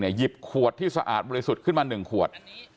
หยิบขวดที่สะอาดบริสุทธิ์ขึ้นมา๑ขวด